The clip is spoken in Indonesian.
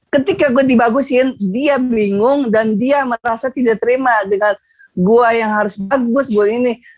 ketika gue dibagusin dia bingung dan dia merasa tidak terima dengan gua yang harus bagus gua ini